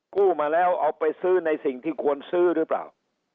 กู้มาแล้วเอาไปซื้อในสิ่งที่ควรซื้อหรือเปล่า